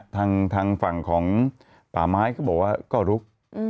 ทางฝั่งของป่าไม้ก็บอกว่าก็ลุก